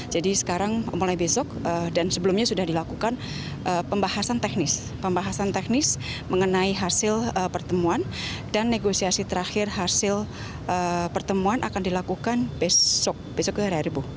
jadi sekarang mulai besok dan sebelumnya sudah dilakukan pembahasan teknis mengenai hasil pertemuan dan negosiasi terakhir hasil pertemuan akan dilakukan besok hari rebo